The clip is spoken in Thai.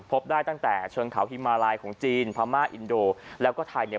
พบได้ตั้งแต่เชิงเขาฮิมาลายของจีนพม่าอินโดแล้วก็ไทยเนี่ย